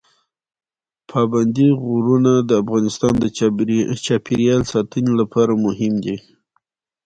پابندي غرونه د افغانستان د چاپیریال ساتنې لپاره مهم دي.